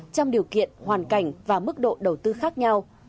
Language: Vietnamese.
trong điều kiện hoàn cảnh và mức độ đầu tư khác nhau